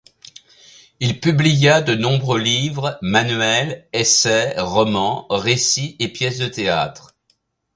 Il publia de nombreux livres : manuels, essais, romans, récits et pièces de théâtre.